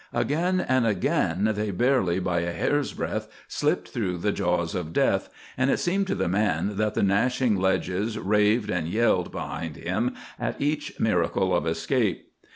Again and again they barely by a hair's breadth, slipped through the jaws of death, and it seemed to the man that the gnashing ledges raved and yelled behind him at each miracle of escape.